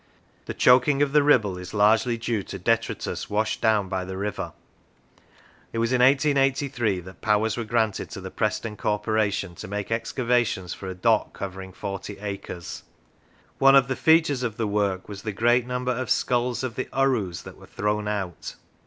The choking of the Ribble is largely due to detritus washed down by the river. It was in 1883 that powers were granted to the Preston corporation to make excavations for a dock covering forty acres. One of the features of the work was the great number of skulls of the urus that were thrown out.